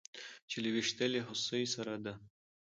چې له ويشتلې هوسۍ سره د